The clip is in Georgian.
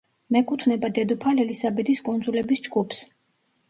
მეკუთვნება დედოფალ ელისაბედის კუნძულების ჯგუფს.